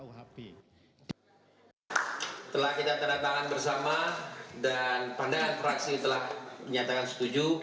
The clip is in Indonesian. setelah kita tandatangan bersama dan pandangan fraksi telah menyatakan setuju